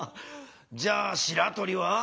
じゃあしらとりは？